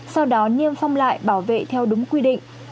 sau đó niêm phong lại bảo vệ theo đúng quy định